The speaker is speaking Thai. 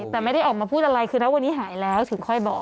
แต่ไม่ได้ออกมาพูดอะไรคือนะวันนี้หายแล้วถึงค่อยบอก